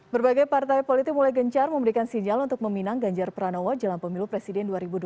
berbagai partai politik mulai gencar memberikan sinyal untuk meminang ganjar pranowo jelang pemilu presiden dua ribu dua puluh